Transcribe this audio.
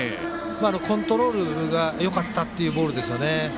コントロールがよかったっていうボールですよね。